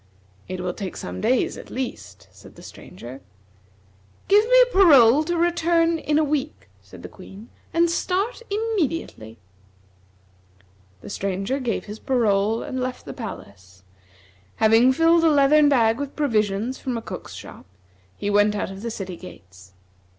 "It will take some days, at least," said the Stranger. "Give me your parole to return in a week," said the Queen, "and start immediately." The Stranger gave his parole and left the palace. Having filled a leathern bag with provisions from a cook's shop, he went out of the city gates.